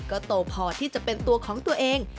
ก็โตพอที่จะเป็นตัวของตัวเอง